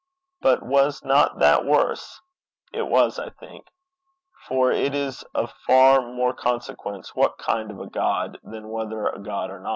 But was not that worse? It was, I think. For it is of far more consequence what kind of a God, than whether a God or no.